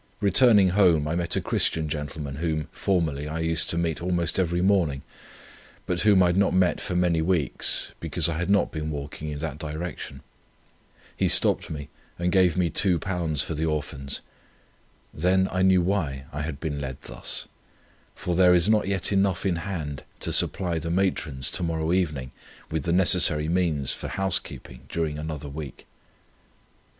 Returning home I met a Christian gentleman whom formerly I used to meet almost every morning, but whom I had not met for many weeks, because I had not been walking in that direction. He stopped me and gave me £2 for the Orphans. Then I knew why I had been led thus; for there is not yet enough in hand, to supply the matrons to morrow evening with the necessary means for house keeping during another week.